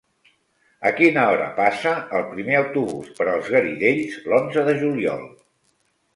A quina hora passa el primer autobús per els Garidells l'onze de juliol?